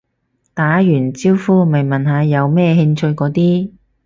打完招呼咪問下有咩興趣嗰啲